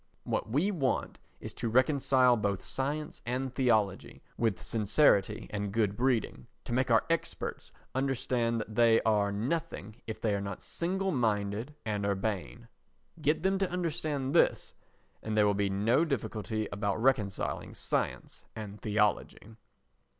What we want is to reconcile both science and theology with sincerity and good breeding, to make our experts understand that they are nothing if they are not single minded and urbane. Get them to understand this, and there will be no difficulty about reconciling science and theology.